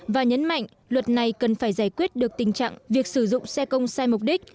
và nhấn mạnh luật này cần phải giải quyết được tình trạng việc sử dụng xe công sai mục đích